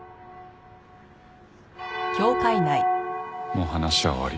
もう話は終わり。